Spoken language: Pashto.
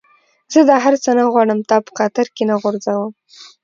زه دا هر څه نه غواړم، تا په خطر کي نه غورځوم.